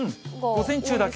午前中だけ。